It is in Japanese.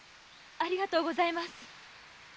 ありがとうございます！